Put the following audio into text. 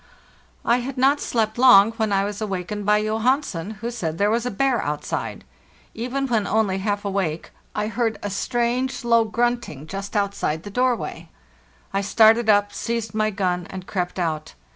I had not slept long, when I was awakened by Johan. sen, who said there was a bear outside. Even when only half awake, I heard a strange, low grunting just outside the doorway. I started up, seized my gun, and crept out.